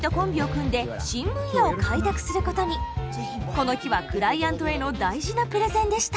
この日はクライアントへの大事なプレゼンでした。